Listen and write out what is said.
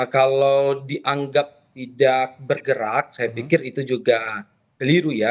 kalau dianggap tidak bergerak saya pikir itu juga keliru ya